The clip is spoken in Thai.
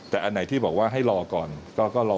แต่อันไหนที่บอกว่าให้รอก่อนก็รอ